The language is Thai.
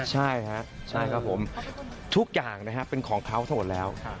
ใช่ครับใช่ครับผมทุกอย่างนะครับเป็นของเขาทั้งหมดแล้ว